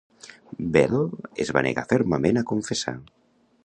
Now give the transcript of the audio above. Belle es va negar fermament a confessar.